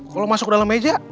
kalau masuk ke dalam meja